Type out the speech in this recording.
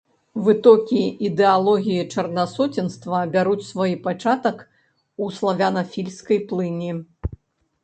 Вытокі ідэалогіі чарнасоценства бяруць свой пачатак у славянафільскай плыні.